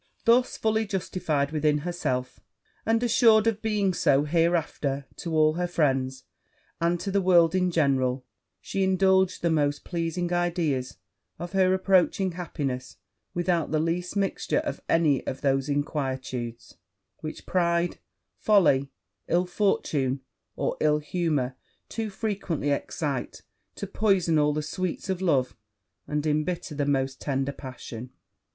Thus fully justified within herself, and assured of being so hereafter to all her friends, and to the world in general, she indulged the most pleasing ideas of her approaching happiness, without the least mixture of any of those inquietudes, which pride, folly, ill fortune, or ill humour, too frequently excite, to poison all the sweets of love and imbitter the most tender passion.